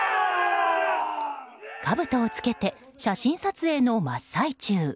かぶとを着けて写真撮影の真っ最中。